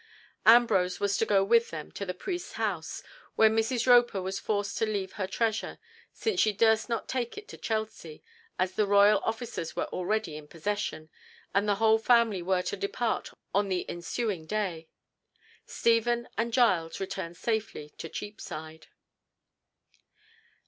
Ambrose was to go with them to the priest's house, where Mrs. Roper was forced to leave her treasure, since she durst not take it to Chelsea, as the royal officers were already in possession, and the whole family were to depart on the ensuing day. Stephen and Giles returned safely to Cheapside.